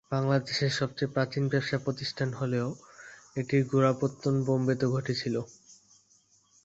বাংলাদেশের সবচেয়ে প্রাচীন ব্যবসা প্রতিষ্ঠান হলেও এটির গোড়াপত্তন বোম্বেতে ঘটেছিল।